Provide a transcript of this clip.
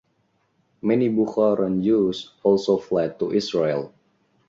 Many Bukharan Jews also fled to Israel.